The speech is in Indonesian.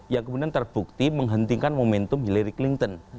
yang kemudian terbukti menghentikan momentum hillary clinton